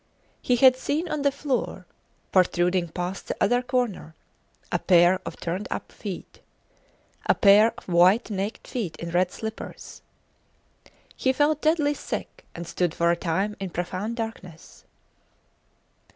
He had seen on the floor, protruding past the other corner, a pair of turned up feet. A pair of white naked feet in red slippers. He felt deadly sick, and stood for a time in profound darkness.